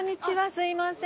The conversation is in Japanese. すみません。